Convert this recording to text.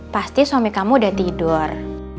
pasti suami kamu udah tidur